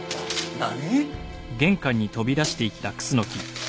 何！？